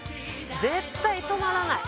絶対止まらない。